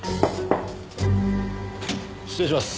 失礼します。